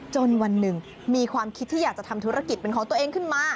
วันหนึ่งมีความคิดที่อยากจะทำธุรกิจเป็นของตัวเองขึ้นมา